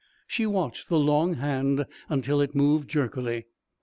She watched the long hand until it moved jerkily.